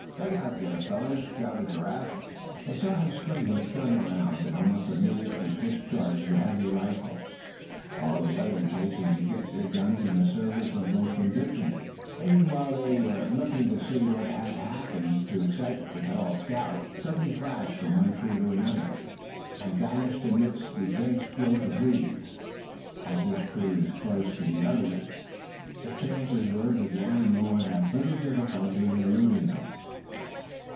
"Look out there, fellers!" shouted Giraffe. They saw him swing his gun around, and almost immediately discharge the heavy rifle. All of the others hastened to get their guns in a serviceable condition, even while they were looking to see what had happened to excite the tall scout. Something flashed from one tree to another, and vanished amidst the dense growth of leaves. As this tree was close to others, the chances were that the animal would have little difficulty in eluding them.